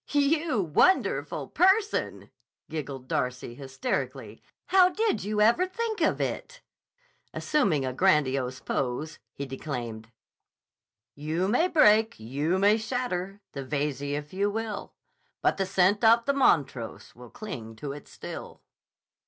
"You wonderful person!" giggled Darcy hysterically. "How did you ever think of it!" Assuming a grandiose pose he declaimed: You may break, you may shatter, the Veyze if you will, But the scent of the Montrose will cling to it still.